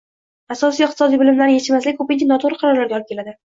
Asosiy iqtisodiy bilimlarning etishmasligi ko'pincha noto'g'ri qarorlarga olib keladi